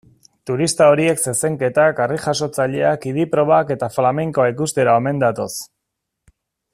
Turista horiek zezenketak, harri-jasotzaileak, idi-probak eta flamenkoa ikustera omen datoz.